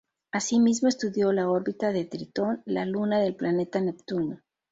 Asimismo, estudió la órbita de Tritón, la luna del planeta Neptuno.